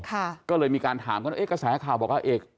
ค่ะก็เลยมีการถามกันเอ๊ะกระแสข่าวบอกว่าอาเอกสรพงศ์